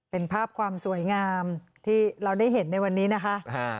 เป็นภาพความสวยงามที่เราได้เห็นในวันนี้นะคะ